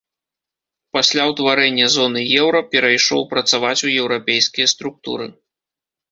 Пасля ўтварэння зоны еўра перайшоў працаваць у еўрапейскія структуры.